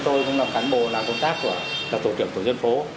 tôi cũng là khán bồ làm công tác của tổ trưởng tổ dân phố